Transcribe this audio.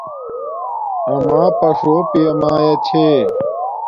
آما پݽو پیا مایا چھے